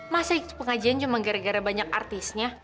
masa pengajian cuma gara gara banyak artisnya